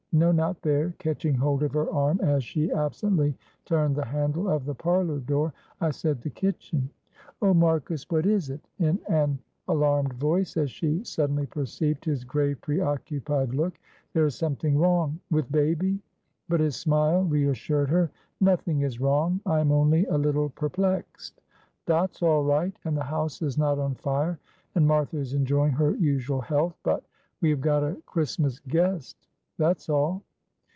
No, not there," catching hold of her arm as she absently turned the handle of the parlour door. "I said the kitchen." "Oh, Marcus, what is it?" in an alarmed voice, as she suddenly perceived his grave, preoccupied look, "there is something wrong with baby," but his smile reassured her. "Nothing is wrong, I am only a little perplexed. Dot's all right, and the house is not on fire, and Martha is enjoying her usual health, but we have got a Christmas guest, that's all."